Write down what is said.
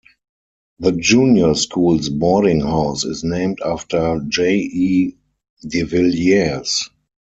The Junior School's boarding house is named after "J E De Villiers".